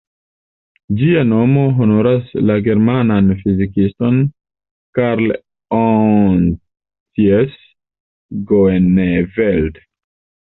Ĝia nomo honoras la germanan fizikiston "Karl-Ontjes Groeneveld".